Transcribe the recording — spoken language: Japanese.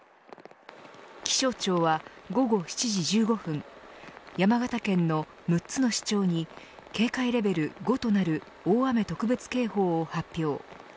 気象庁は午後７時１５分山形県の６つの市町に警戒レベル５となる大雨特別警報を発表。